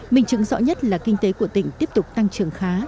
mình chứng rõ nhất là kinh tế của tỉnh tiếp tục tăng trưởng khá